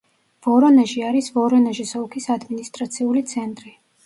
ვორონეჟი არის ვორონეჟის ოლქის ადმინისტრაციული ცენტრი.